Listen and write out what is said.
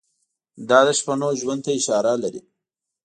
دا د شپنو ژوند ته اشاره لري.